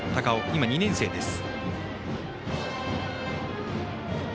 今、２年生です。